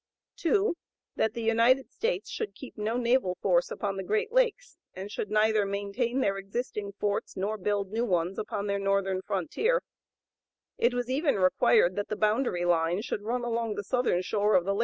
2. That the United States should keep no naval force upon the Great Lakes, and should neither maintain their existing forts nor build new ones upon their northern frontier; it was even required that the boundary line should run along the southern shore of the (p.